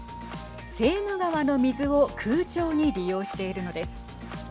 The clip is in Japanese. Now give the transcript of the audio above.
セーヌ川の水を空調に利用しているのです。